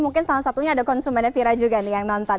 mungkin salah satunya ada konsumennya fira juga nih yang nonton